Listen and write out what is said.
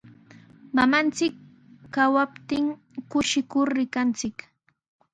Mamanchik kawaptin kushikur rikanchik.